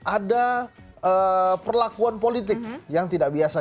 ada perlakuan politik yang tidak biasa